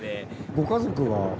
ご家族は？